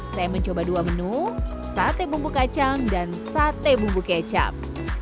saya mencoba dua menu sate bumbu kacang dan sate bumbu kecap